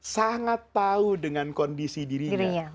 sangat tahu dengan kondisi dirinya